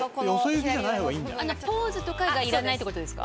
ポーズとかいらないということですか。